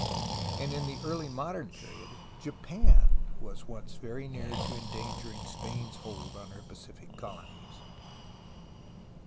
And in the early modern period Japan was once very near to endangering Spain's hold on her Pacific colonies.